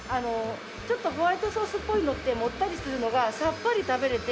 ちょっとホワイトソースっぽいのってもったりするのがさっぱり食べれて。